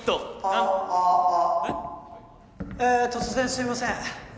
あーえ突然すいません